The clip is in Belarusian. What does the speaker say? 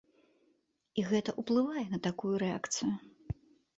І гэта уплывае на такую рэакцыю.